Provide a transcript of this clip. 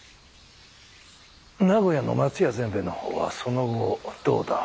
名古屋の松屋善兵衛のほうはその後どうだ？